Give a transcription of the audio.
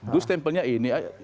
dulu stempelnya ini